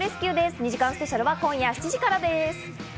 ２時間スペシャルは今夜７時からです。